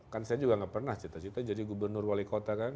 kan saya juga gak pernah cita cita jadi gubernur wali kota kan